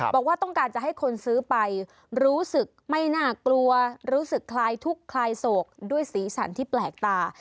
บอกว่าต้องการจะให้คนซื้อไปรู้สึกไม่น่ากลัวรู้สึกคลายทุกข์คลายโศกด้วยสีสันที่แปลกตา